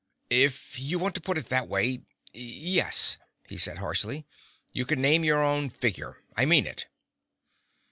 "If you want to put it that way—yes," he said harshly. "You can name your own figure. I mean it!"